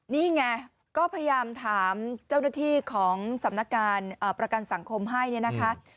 นี่ไงก็พยายามถามเจ้าหน้าที่ของสำนักการประกันสังคมให้เนี่ยนะคะ